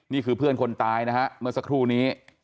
นี่คือเพื่อนคนตายนะฮะเมื่อสักครู่นี้